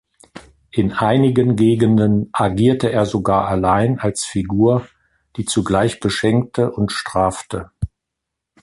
In einigen Gegenden agierte er sogar allein, als Figur, die zugleich beschenkte und strafte.